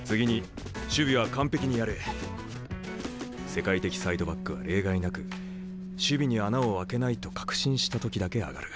世界的サイドバックは例外なく守備に穴を開けないと確信した時だけ上がる。